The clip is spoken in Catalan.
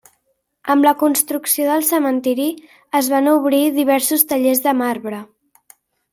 Amb la construcció del cementiri es van obrir diversos tallers de marbre.